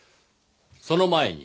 その前に。